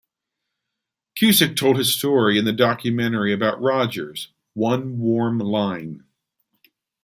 Cusick told his story in the documentary about Rogers, "One Warm Line".